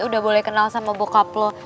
udah boleh kenal sama bokap lo